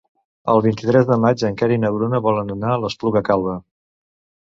El vint-i-tres de maig en Quer i na Bruna volen anar a l'Espluga Calba.